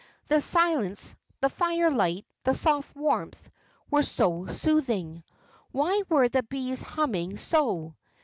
The silence, the firelight, the soft warmth, were so soothing. Why were the bees humming so?